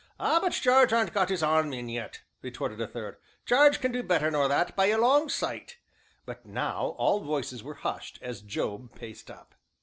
"Ah! but Jarge aren't got 'is arm in yet," retorted a third; "Jarge can do better nor that by a long sight!" But now all voices were hushed as Job paced up.